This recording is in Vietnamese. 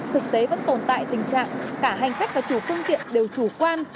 thực tế vẫn tồn tại tình trạng cả hành khách và chủ phương tiện đều chủ quan